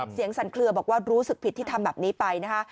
สั่นเคลือบอกว่ารู้สึกผิดที่ทำแบบนี้ไปนะคะ